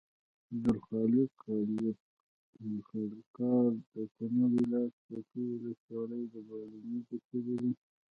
عبدالخالق خالقیار د کونړ ولایت څوکۍ ولسوالۍ بادینزو کلي دی.